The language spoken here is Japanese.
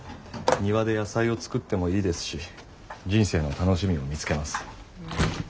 庭で野菜を作ってもいいですし人生の楽しみを見つけます。